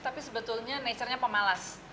tapi sebetulnya nature nya pemalas